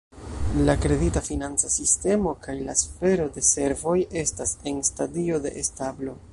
La kredita-financa sistemo kaj la sfero de servoj estas en stadio de establo.